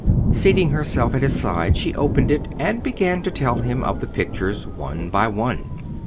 Seating herself at his side she opened it, and began to tell him of the pictures, one by one.